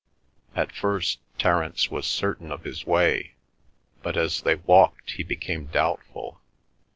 At first Terence was certain of his way, but as they walked he became doubtful.